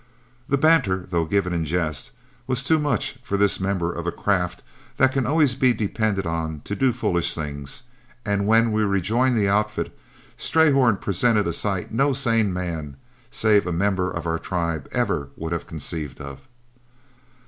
The banter, though given in jest, was too much for this member of a craft that can always be depended on to do foolish things; and when we rejoined the outfit, Strayhorn presented a sight no sane man save a member of our tribe ever would have conceived of.